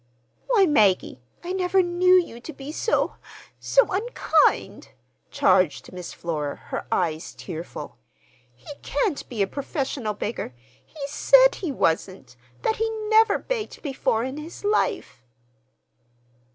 "Why, Maggie, I never knew you to be so—so unkind," charged Miss Flora, her eyes tearful. "He can't be a professional beggar. He said he wasn't—that he never begged before in his life."